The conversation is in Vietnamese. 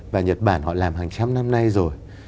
và nhật bản họ làm hàng trăm năm nay rồi